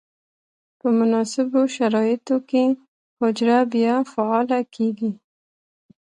په مناسبو شرایطو کې حجره بیا فعاله کیږي.